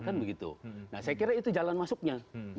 nah saya kira itu jalan masuknya